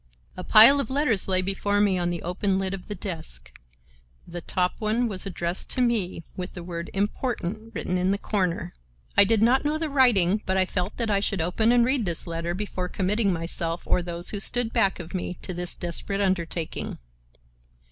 A pile of letters lay before me on the open lid of the desk. The top one was addressed to me with the word "Important" written in the corner. I did not know the writing, but I felt that I should open and read this letter before committing myself or those who stood back of me to this desperate undertaking.